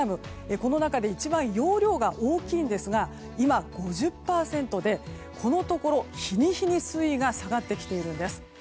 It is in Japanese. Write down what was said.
この中で一番容量が大きいですが今、５０％でこのところ日に日に水位が下がってきているんです。